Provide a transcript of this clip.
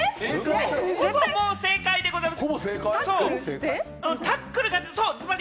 ほぼ正解でございます。